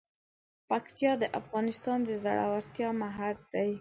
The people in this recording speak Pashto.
پکتیا د افغانستان د زړورتیا مهد دی.